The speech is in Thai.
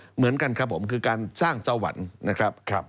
เหมือนกันครับผมคือการสร้างสวรรค์นะครับ